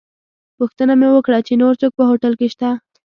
پوښتنه مې وکړه چې نور څوک په هوټل کې شته.